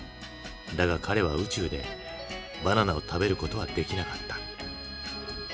だが彼は宇宙でバナナを食べることはできなかった。